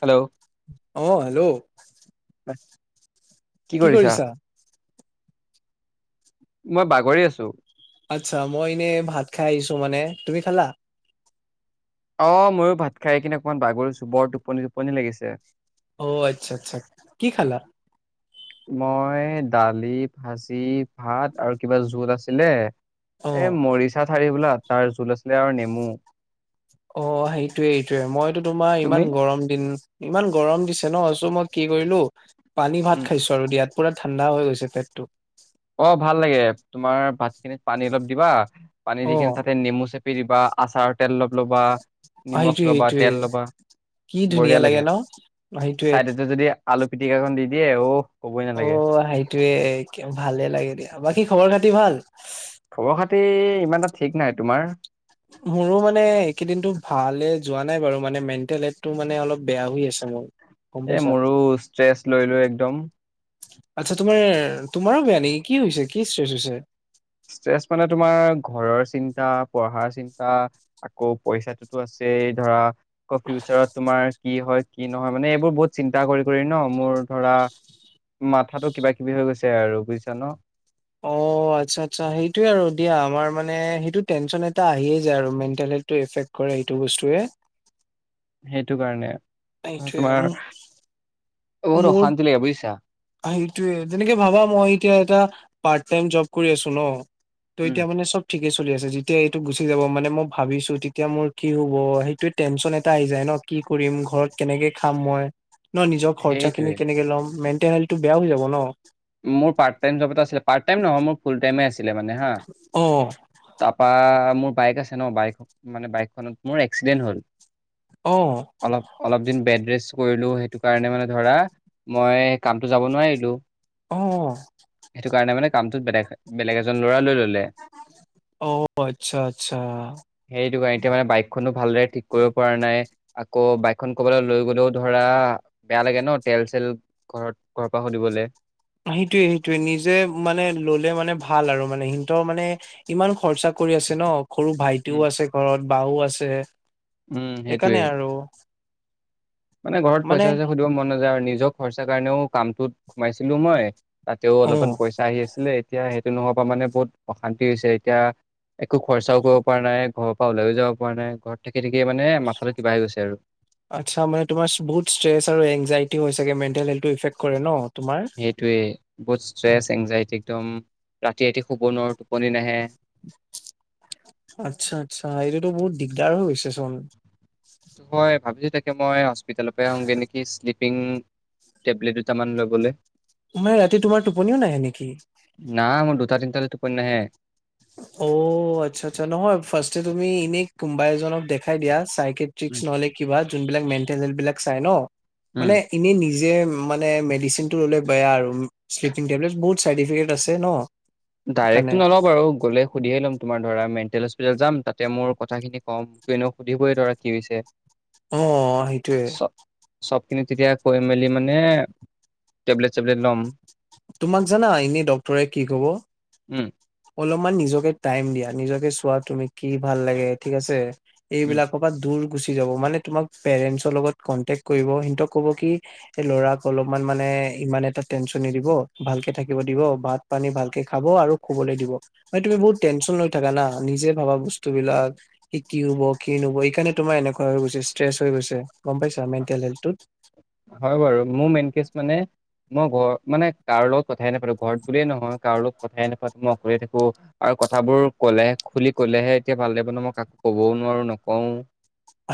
Hello. অঁ, hello. কি কৰিছা? মই বাগৰি আছো। আচ্ছা মই এনেই ভাত খাই আহিছো মানে, তুমি খালা? অ ময়ো ভাত খাই কিনে অকমান বাগৰিছোঁ বৰ টোপনি টোপনি লাগিছে। অ আচ্ছা আচ্ছা, কি খালা? মই দালি ভাজি ভাত আৰু কিবা জুল আছিলে, অ এ মৰিচা ঠাৰি বোলা তাৰ জুল আছিলে আৰু নেমু। অঁ, সেইটোৱে এইটোয়ে মইতো তোমাৰ তুমি? ইমান গৰম দিন ইমান গৰম দিছে ন, ৰচো মই কি কৰিলো পানী উম ভাত খাইছো। দিয়াত পুৰা ঠাণ্ডা হৈ গৈছে পেতটো। অঁ ভাল লাগে, তোমাৰ ভাত খিনিত পানী অলপ দিবা পানী দি অ কিনে তাতে নেমু চে পিবা আচাৰৰ তেল অলপ ল'বা। নিমখ সেইটোয়ে লবা তেল সেইটোয়ে লবা কি ধুনীয়া বঢ়িয়া লাগে, ন সেইটোয়ে চাইডতে যদি আলু পিটিকাখন দি দিয়ে ঔ অ', সেইটোৱে ভালে লাগে দিয়া, বাকী খবৰ-খাতি ভাল? খবৰ-খাতি ইমান এটা ঠিক নাই, তোমাৰ? মোৰো মানে এইকেইদিনটো ভালে যোৱা নাই বাৰু মানে মেণ্টেল হেল্থটো মানে অলপ বেয়া হৈ আছে মোৰ। গম এ পাইছা মোৰো ষ্ট্ৰেচ লৈ লৈ একদম। আচ্ছা, তোমাৰ তোমাৰো বেয়া নেকি, কি হৈছে কি ষ্ট্ৰেছ হৈছে? ষ্ট্ৰেচ মানে তোমাৰ ঘৰৰ চিন্তা, পঢ়াৰ চিন্তা। আকৌ পইচাটোতো আছেই ধৰা, আকৌ ফিউচাৰত তোমাৰ কি হয় কি নহয় মানে এইবোৰ বহুত চিন্তা কৰি কৰি ন' মোৰ ধৰা মাথাতো কিবা কিবি হৈ গৈছে আৰু বুজিছা ন'? অ', আচ্ছা আচ্ছা, সেইটোৱে আৰু দিয়া আমাৰ মানে সেইটো টেনচন এটা আহিয়ে যায় আৰু মেণ্টেল হেল্থটো এফেক্ট কৰে সেটো বস্তুৱে। সেইটো কাৰণে। সেইটোয়ে তোমাৰ বহুত মোৰ অশান্তি লাগে বুজিছা সেইটোয়ে তেনেকে ভাবা মই এতিয়া এটা পাৰ্ট টাইম জ'ব কৰি আছো ন'! ত' উম এতিয়া মানে চব ঠিকে চলি আছে, যেতিয়া এইটো গুচি যাব মানে মই ভাবিছো তেতিয়া মোৰ কি হ'ব, সেইটোয়ে টেনচন এটা আহি যায় ন'! কি কৰিম ঘৰত কেনেকে খাম মই, ন' নিজৰ খৰচা খিনি সেইটোয়ে কেনেকে ল'ম মেণ্টেল হেল্থটো বেয়া হৈ যাব ন'? মোৰ পাৰ্ট টাইম জ'ব এটা আছিলে, পাৰ্ট টাইম নহয় মোৰ ফুল টাইমে আছিলে মানে হা। অ তাৰপা মোৰ বাইক ন' বাইক বাইকখনত মোৰ এক্সিডেণ্ট হ'ল। অ'। অলপ অলপ দিন বেড ৰেষ্ট কৰিলো সেইটো কাৰণে, মানে ধৰা মই কামটো যাব নোৱাৰিলো। অ'। সেইটো কাৰণে মানে কামটোত বেলেগ বেলেগ এজন ল'ৰা লৈ ল'লে। অ' আচ্ছা আচ্ছা হেটো কাৰণ এতিয়া মানে বাইকখনো ভালদৰে ঠিক কৰিব পৰা নাই আকৌ, বাইকখন ক'বাল লৈ গ'লেও ধৰা বেয়া লাগে ন' তেল-চেল ঘৰত ঘৰ পৰা সুধিবলৈ। সেইটোয়ে সেইটোয়ে নিজে মানে ল'লে মানে ভাল আৰু মানে সিহতৰ মানে ইমান খৰচা কৰি আছে ন'! সৰু ভাইটিও উম আছে ঘৰত বাও আছে ঘৰত উম সেইকাৰণে সেইটোৱে আৰু। মানে ঘৰত পইচা-চইচা সুধিব মন নাযায় আৰু নিজৰ খৰচা কাৰণেও কামটোত সোমাইছিলো মই। তাতেও অ অলপমান পইচা আহি আছিলে, এতিয়া সেইটো নোহোৱাৰ পৰা মানে বহুত অশান্তি হৈছে, এতিয়া একো খৰচাও কৰিব পৰা নাই, ঘৰৰ পৰা ওলাইও যাব পৰা নাই, ঘৰত থাকি থাকিয়ে মানে মাথাটো কিবা হৈ গৈছে আৰু। আচ্ছা, মানে তোমাৰ বহুত ষ্ট্ৰেছ আৰু এন্জাইটি হৈ চাগে মেণ্টেল হেল্থটো ইফেক্ট কৰে ন'! তোমাৰ সেইটোৱেই বহুত ষ্ট্ৰেছ, এনজাইটি একদম ৰাতি ৰাতি শুব নোৱাৰো, টোপনি নাহে। আচ্ছা আচ্ছা, এইটোতো বহুত দিগদাৰ হৈ গৈছে চোন। মই ভাবিছোঁ তাকে মই হস্পিটেলৰপ আহোগৈ নেকি শ্লিপিং টেবলেট দুটামান ল'বলৈ। মানে ৰাতি তোমাৰ টোপনিও নাহে নেকি? না মোৰ দুটা তিনটা লৈ টোপনি নাহে। অ', আচ্ছা আচ্ছা, নহয় ফাৰ্ষ্ট তুমি এনে কোনোবা এজনক দেখাই দিয়া, চাই ইক্ৰেটিক্স উম নহ'লে কিবা যোনাক বিলাক মেণ্টেল হেল্থ বিলাক চাই ন' উম। মানে এনেই নিজে মানে মেডিচিন টো ল'লে বেয়া আৰু শ্লিপিং টেবলেট বহুত চাইডিফেক্ত আছে ন'! সেইকাৰণে ডাইৰেক্টটো নলওঁ বাৰু গ'লে সুধিয়ে ল'ম। তোমাৰ ধৰা মেণ্টেল হস্পিতাল যাম, তাতে মোৰ কথাখিনি কম, মোকটো এনেও সুধিবইে ধৰা কি হৈছে। অ', সেইটোয়ে। চব চবখিনি তেতিয়া কৈ মেলি মানে, টেবলেট চেবলেট ল'ম। তোমাক জানা এনে ডক্তৰে কি ক'ব? উম। অলপমান নিজকে টাইম দিয়া, নিজকে চোৱা, তুমি কি ভাল লাগে ঠিক আছে, উম এইবিলাকক দূৰ গুচি যাব। মানে তোমাক পেৰেন্টৰ লগত কনটেক কৰিব, সিহঁতক ক'ব কি এই ল'ৰাক অলপমান মানে ইমান এটা টেনছন নিদিব, ভালকে থাকিব দিব, বাত পানী ভালকে খাব আৰু শুবলে দিব, মানে তুমি বহুত টেনশচন লৈ থাকা না, নিজে ভাবা বস্তুবিলাক। এ কি হ'ব, কি নহ'ব, এইকাৰণে তোমাৰ এনেকুৱা হৈ গৈছে, ষ্ট্ৰেচ হৈ গৈছে, গ'ম পাইছা মেণ্টেল হেল্থটোত। হয় বাৰু, মোৰ মেইন কেচ মানে মই ঘৰ মানে কাৰো লগত কথাই নাপাতো, ঘৰত বুলিয়ে নহয় কাৰো লগত কথাই নাপাতো, মই অকলেই থাকো। আৰু কথাবোৰ ক'লেহে, খুলি কলেহে এতিয়া ভাল লাগিব ন', মই কাকো কবও নোৱাৰো, নকওঁ।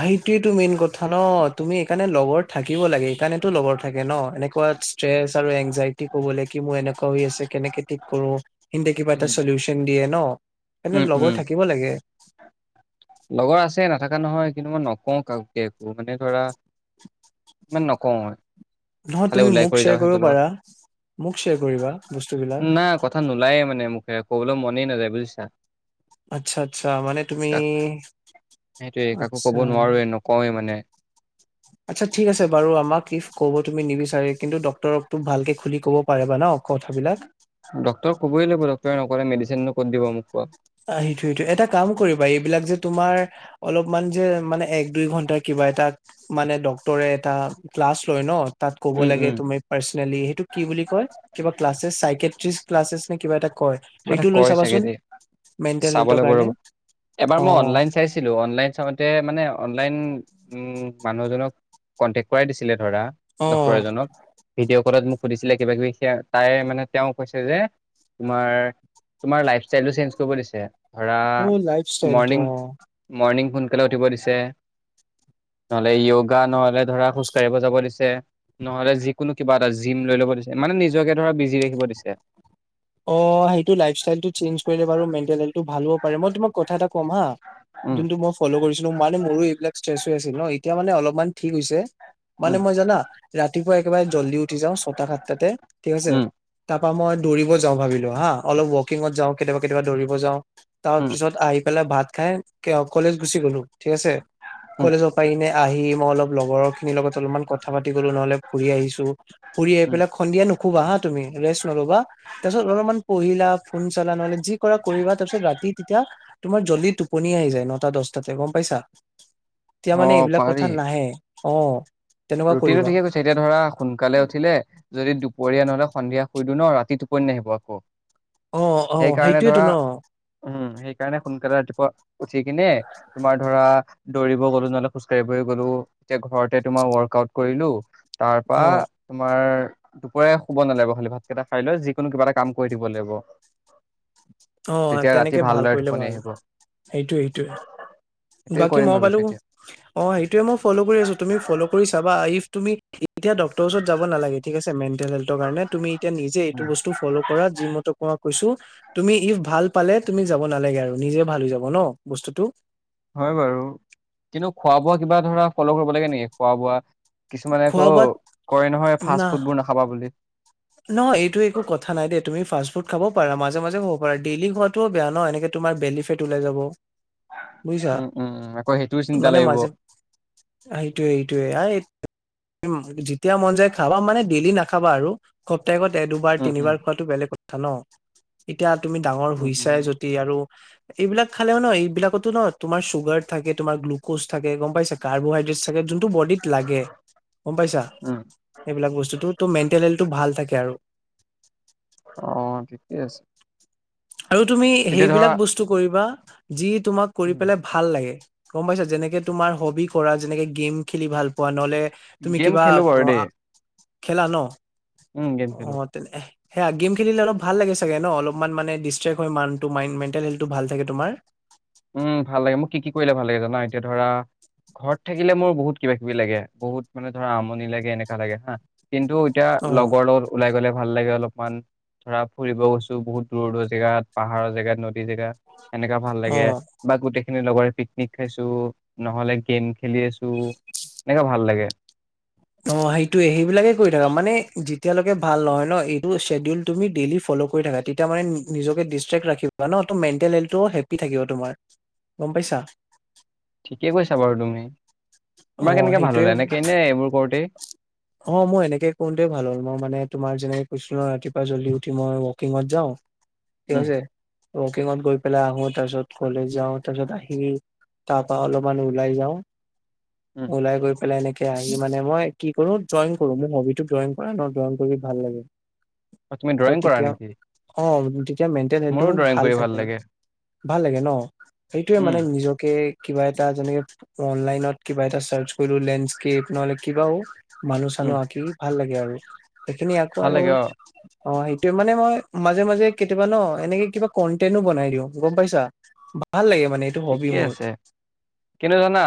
সেইটোৱেটো মেইন কথা ন', তুমি সেইকাৰণে লগৰ থাকিব লাগে, সেইকাৰণে টো লগৰ থাকে ন', এনেকুৱা ষ্ট্ৰেছ আৰু এংজাইটি কবলে কি মোৰ এনেকুৱা হৈ আছে, কেনেকে থিক কৰো, সিহঁতে কিবা এটা উম শ্বলুশ্বন চন দিয়ে ন', এনে উম লগৰ উম থাকিব লাগে। লগৰ আছে নথকা নহয়, কিন্তু মই নকওঁ কাকো কে একো, মানে ধৰা ইমান নকওঁ মই। নহয় তুমি মোক শ্বেয়াৰ কৰিব পাৰা, মোক শ্বেয়াৰ কৰিবা বস্তুবিলাক। না কথা নোলায়ে মানে মোখেৰে, ক'বলে মনেই নাযায় বুজিছা? আচ্ছা, আচ্ছা, মানে তুমি কাক সেইটোৱে কাকো আচ্ছা কব নোৱাৰোৱে, নকওঁৱেই মানে। আচ্ছা ঠিক আছে বাৰু, আমাক ইফ ক'ব তুমি নিবিচাৰে, কিন্তু ডক্তৰক তোক ভালকে খুলি ক'ব পাৰিবা ন'। কথাবিলাক। ডক্টৰক কবই লাগিব। ডক্টৰে নকলে মেডিচিন নো ক'ত দিব মোক কোৱা। আহ সেইটোৱেটো, এটা কাম কৰিবা, এইবিলাক যে তোমাৰ অলপমান যে মানে দুই ঘন্টাৰ কিবা এটা মানে ডক্তৰে এটা ক্লাছ লয় ন', তাত ক'ব উম, লাগে উম, তুমি পাৰ্চনেলি সেইটো কি বুলি কয়? কিবা ক্লাছেছ চাইক্ৰেটিচ ক্লাছেছ নে কিবা এটা কয়। কিব এটা সেইটো লৈ কয় চাগে চাবাচোন দেই, মেণ্টেল চাব হেল্থৰ লাগিব কাৰণে ৰ'ব, এবাৰ অ মই অনলাইন চাইছ ছিলো অনলাইন চাওঁতে মানে অনলাইন উম, মানুহজনক কণ্টেক্ট কৰাই দিছিলে ধৰা, অ ডক্তৰ এজনক। ভিডিঅ' কলত মোক সুধিছিলে কিবা-কিবি সেয়া, তাই মানে তেওঁ কৈছে যে তোমাৰ তোমাৰ লাইফষ্টাইলটো চেঞ্জ কৰিব দিছে। ধৰা অ লাইফ ষ্টাইলটো মৰ্ণিং মৰ্ণিং সোনকালে উঠিব দিছে। নহলে য়োগা, নহলে ধৰা খোজ কঢ়িব যাব দিছে। নহলে যিকোনো কিবা এটা জিম লৈ ল'ব দিছে, মানে নিজকে ধৰা বিজি ৰাখিব দিছে। অ, সেইটো লাইফ ষ্টাইলটো চেঞজ কৰিলে বাৰু মেণ্টেল হেলথটো ভাল হ'ব পাৰে, মই তোমাক কথা এটা ক'ম হা। উম, যোনটো মই ফ'ল' কৰিছিলো মানে মোৰো এইবিলাক ষ্ট্ৰেচ হৈ আছিল ন'। এতিয়া মানে অলপমান ঠিক হৈছে। মানে উম, মই জানা ৰাতিপুৱা একেবাৰে জল্দি উঠি যাওঁ, ছটা, সাতটাতে, ঠিক আছে। উম, তাপা মই দৌৰিব যাওঁ ভাবিলো হা, অলপ ৱকিঙত যাওঁ কেতিয়াবা কেতিয়াবা দৌৰিব যাওঁ। তাৰ উম, পিছত আহি পেলাই ভাত খাই কলেজ গুছি গ'লো, ঠিক আছে। উম, কলেজত পাই কেনে আহি, মই অলপ লগৰ খিনিৰ লগত অলপমান কথা পাতি গ'লো নহলে ফুৰি আহিছো, ফুৰি আহি উম, পেলাই সন্ধিয়া নুশুবা হা। তুমি ৰেছ নলবা। তাৰপিছত অলপমান পঢ়িলা, ফোন চালা নহলে যি কৰা কৰিবা তাৰপিছত ৰাতি তেতিয়া তোমাৰ জল্দি টোপনি আহি যায় নটা, দশটাতে গম পাইছা? [inaudible] তেতিয়া মানে এইবিলাক কথা পাৰি। নাহে অ। তেনেকুৱা ৰুটিনটো কৰিবা ঠিকে কৈছ এতিয়া ধৰা সোনকালে উঠিলে যদি দুপৰীয়া নহলে সন্ধিয়া শুই দিও ন' ৰাতি টোপনি নাহিব আকৌ। অ অ সেইকাৰণে সেইটোয়েতো ধৰা ন উম, সেইকাৰণে সোনকালে ৰাতিপুৱা উঠি কিনে তোমাৰ ধৰা দৌৰিব গলো, নহ'লে খোজ কাঢ়িব গ'লো এতিয়া ঘৰতে তোমাৰ ৱৰ্ক আউট কৰিলো তাৰপা অ তোমাৰ দুপৰীয়া শুব নালাগিব খালি, ভাতকেইটা খাই লৈ যিকোনো কিবা এটা কাম কৰি দিব লাগিব। [inaudible] অ, তেতিয়া ৰাতি তেনেকে ভাল ভালদৰে কৰিলে টোপনি ভাল আহিব সেইটোৱে সেইটোৱে। সেইটোৱে বাকী কৰিম মই ভাবিছো পালো এতিয়া অ, সেইটোৱে মই ফল' কৰি আছো তুমি ফল' কৰি চাবা ইফ তুমি এতিয়া ডক্তৰৰ ওচৰত যাব নালাগে ঠিক আছে, মেণ্টেল হেলথৰ কাৰণে তুমি এতিয়া নিজে এইটো উম। বস্তু ফল' কৰা যি মতে তোমাক কৈছো তুমি ইফ ভাল পালে তুমি যাব নালাগে আৰু নিজে ভাল হৈ যাব ন বস্তুটো? হয় বাৰু কিন্তু খোৱা বোৱা কিবা ধৰা ফল' কৰিব লাগে নেকি? খোৱা বোৱা কিছুমানে আকৌ খোৱা বোৱাত কয় নহয় না ফাষ্ট ফুডবোৰ নাখাবা বুলি নহয় এইটো একো কথা নাই দে তুমি ফাষ্ট ফুড খাব পাৰা মাজে মাজে খাব পাৰা ডেইলি খোৱা তো বেয়া ন এনেকে তোমাৰ বেলিফেট ওলাই যাব। বুজিছা উম উম উম আকৌ সেইটোও চিন্তা লাগিব। আ সেইটোয়ে এইটোয়ে আ যেতিয়া মন যায় খাবা মানে ডেইলি নাখাবা আৰু। সপ্তাসিকত এ দুবাৰ, উম উম। তিনিবাৰ খোৱাতো বেলেগ কথা ন, এতিয়া তুমি ডাঙৰ উম শুইছাই য উম দি আৰু এইবিলাক খালেও ন এইবিলাকতো ন তোমাৰ চুগাৰ থাকে, তোমাৰ গ্লক'জ থাকে গম পাইছে। কাৰ্বহাইড্ৰেট থাকে যোন টো বডিত লাগে গম পাইছা। উম এইবিলাক বস্তুটো মেন্টেল হেলটো ভাল থাকে আৰু অ' ঠিকেই আছে। আৰু তুমি এতিয়া ধৰা সেইবিলাক বস্তু কৰিবা যি তোমাক কৰি পেলাই ভাল লাগে গম পাইছা। যেনেকে তোমাৰ হবি কৰা, যেনেকে গেম খেলি ভাল পোৱা নহলে তুমি গেম কিবা খেলো বাৰু দেই আ খেলা ন উম গেম খেলো। অ' তেনে সেয়া, গেম খেলিলে অলপ ভাল লাগে চাগে ন অলপমান মানে ডিচ ট্ৰেক হয় মাইণ্ড মেণ্টেল হেল্থটো ভাল থাকে তোমাৰ উম' ভাল লাগে মোক কি কি কৰিলে ভাল লাগে জানা এতিয়া ধৰা ঘৰত থাকিলে মোৰ বহুত কিবা কিবি লাগে। বহুত মানে ধৰা আমনি লাগে, এনেকা লাগে হা কিন্তু অ এতিয়া লগৰ লগত ওলাই গ'লে ভাল লাগে অলপমান ধৰা ফুৰিব গৈছোঁ, বহুত দূৰ দূৰ জেগাত পাহাৰৰ জেগাত, নদী জেগা এনেকা ভাল অ লাগে। বা গোটেই খিনি লগৰে পিকনিক খাইছো, নহলে গেম খেলি আছোঁ। এনেকা ভাল লাগে। অ' সেইটোয়ে সেইবিলাকে কৰি থাকা মানে যেতিয়ালৈকে ভাল নহয় ন এইটো শ্বেডিউল তুমি ডেইলি ফল' কৰি থাকা। তে তিয়া মানে নিজকে দিষ্টেক্ট ৰাখিবা ন ত মেণ্টেল হেলটো হেপি থাকিব তোমাৰ গম পাইছা। ঠিকেই কৈছা বাৰু তুমি। অ তোমাৰ কেনেকে ভাল সেইটোয়ে হ'লে এনেকেই নে এইবোৰ কৰোঁতেই? অ' মৰ এনেকে কৰোতেই ভাল হ'ল মই মানে তোমাৰ যেনেকৈ কৈছিলো ন ৰাতিপুৱ জল্দি উঠি মই ৱকিঙত যাও। [inaudible] কছে [unintelligible] ৱকিঙত গৈ পেলাই আহো, তাৰ পিছত কলেজ যাওঁ তাৰপিছত আহি তাৰ পৰা অলপমান ওলাই যাওঁ। উম। ওলাই গৈ পেলাই এনেকে আহি মানে মই কি কৰো ড্ৰং কৰো, মোৰ হবিটো ড্ৰইং কৰা ন, ড্ৰইং কৰি ভাল লাগে। অ' তুমি ত ড্ৰয়িং কৰা তেতিয়া নেকি? অ' তেতিয়া মেণ্টেল হেল্থটো মোৰো মোৰ ড্ৰয়িং ভাল কৰি থাকে। লাগে। ভাল লাগে ন' সেইটোয়ে উম, মানে নিজকে কিবা এটা যেনেকে অনলাইন আত কিবা এটা চাৰ্চ কৰিলো। লেণ্ডস্কেপ নহলে কিবাও মানুহ উম। চানুহ আঁকি। ভাল লাগে আৰু সেইখিনি আকৌ ভাল আৰু লাগে অ' সেইটোৱে মানে মই মাজে, মাজে কেতিয়াবা ন এনেকে কিবা কন্টেনো বনাই দিওঁ গম পাইছা। ভাল লাগে মানে। এইটো হবি ঠিকে মোৰ আছে। কিন্তু জানা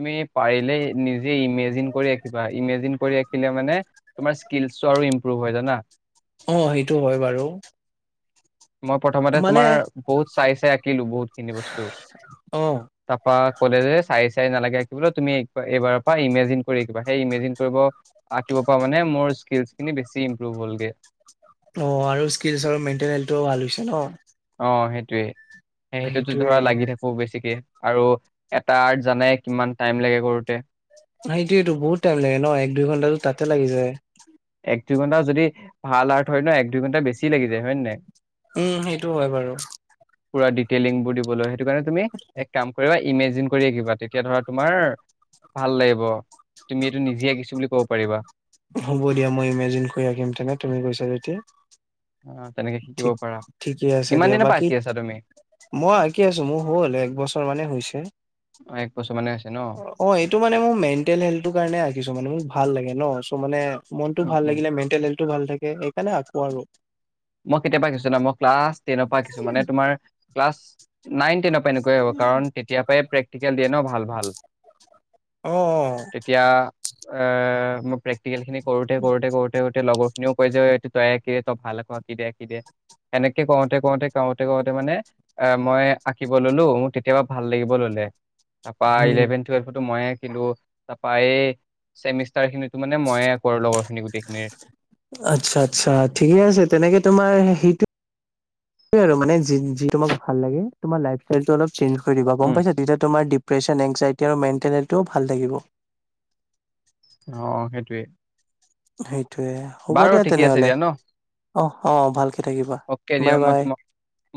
তুমি পাৰিলে নিজে ইমেজিন কৰি আঁকিবা ইমেজিন কৰি আঁকিলে মানে তোমাৰ স্কিলচো আৰু ইমপ্ৰুভমেণ্ট হয় জানা। অ' সেইটো হয় বাৰু। মই প্ৰথমতে মানে তোমাৰ বহুত চাই, চাই আঁকিলো বহুত খিনি বস্তু। অ', তাৰপা কলে যে চাই, চাই নালাগে আঁকিবলৈ তুমি এইবাৰৰ পৰা ইমেজিন কৰি আঁকিবা। সেই ইমেজিন কৰিব আঁকিব পৰা মানে মোৰ স্কিলচ খিনি বেছি ইম্প্ৰুভ হলগে। অ' আৰু স্কিলছ আৰু মেণ্টেলিটো ভাল হৈছে ন। অ' সেইটোয়ে। সেই সেইটোতো সেইটোয়ে ধৰা লাগি থাকো। কো বেছিকে আৰু এটা আৰ্ট জানাই কিমান টাইম লাগে কৰোতে। সেইটোৱে এইটো বহুত টাইম লাগে ন, এক, দুই ঘণ্টাটো তাতে লাগি যায়। এক, দুই ঘণ্টা যদি ভাল আৰ্ট হয় ন' এক দুই ঘণ্টা বেছি লাগি যায় হয় নে নাই? উম, সেইটো হয় বাৰু। পুৰা ডিটেইলিংবোৰ দিবলৈ সেইটো কাৰণে তুমি এক কাম কৰিবা? ইমেজিন কৰি আকিবা, তেতিয়া ধৰা তোমাৰ ভাল লাগিব, তুমি এইটো নিজে আঁকিছো বুলি ক'ব পাৰিবা। হ'ব দিয়া মই ইমেজিন কৰি আঁকিম তেনে তুমি কৈছা যেতিয়া। অ' তেনেকে শিকিব পাৰা ঠিক-ঠিকেই আছে কিমান দিয়া, দিনৰ পৰা বাকী আঁকি আছা তুমি? মই আঁকি আছো, মোৰ হ'ল এক বছৰ মানে হৈছে। অ, এক বছৰ মানে আছে ন। অ, এইটো মানে মোৰ মেণ্টেল হেল্থৰ কাৰণে আঁকিছো, মানে মোক ভাল লাগে ন চ' মানে মনতটো উম ভাল উম লাগিলে মেণ্টেল হেল্থটো ভাল থাকে। সেইকাৰণে আকৌ আৰু। মই কেতিয়াবা শিকিছো না ক্লাছ টেনৰ পৰা শিকিছো মানে তোমাৰ ক্লাছ নাইন টেনৰ পৰা এনেকুৱাই হ'ব কাৰণ তেতিয়াৰ পৰাই প্ৰেক্টিকেল দিয়ে ন' ভাল, ভাল। অ', তেতিয়া এ মই প্ৰেক্টিকেল খিনি কৰোতে, কৰোতে, কৰোতে। [unintelligible] তে লগৰ খিনিও কয় যে এই তই কি তই ভাল আক' আকিদ দে, আঁকি দে, আঁকি দে। এনেকে কওঁতে, কওঁতে, কওঁতে, কওঁতে মানে এ মই আঁকিব ললো মোৰ কেতিয়াবা ভাল লাগিব ললে। তাৰপা উম ইলেভেন টোৱেলফৰ পৰা মইয়ে আকিলো, তাৰপায়ে চেমিষ্টাৰ খিনিতো মানে মইয়ে কৰো আৰু লগৰখিনি গোটেইখিনিৰ। আচ্ছা, আচ্ছা। ঠিকে আছে তেনেকে তোমাৰ সেইটো সেইটোৱে আৰু মানে যি, যি তোমাক ভাল লাগে। তোমাৰ লাইফষ্টাইলটো অলপ চেঞ্জ কৰি তোমাৰ লাইফ ষ্টাইলটো চেজজ কৰি দিবা, গম উম পাইছা। তেতিয়া তোমাৰ ডিপ্ৰেচন এনজাইটি আৰু মেণ্টেলহেল্থটিও ভাল থাকিব। অ' অ' সেইটোয়ে। সেইটোয়ে হ'ব বাৰু দিয়া ঠিকে আছে তেনেহলে দিয়া ন অ' অ' ভালকে থাকিবা অকে দিয়া বাই মই বাই। তোমাক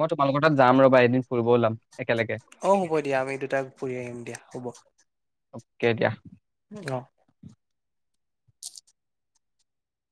মই তোমালোকৰ তাত যাম ৰবা এদিন ফুৰিব ওলাম। একেলগে অ' হ'ব দিয়া আমি দুটা ফুৰি আহিম দিয়া হব অ' অকে দিয়া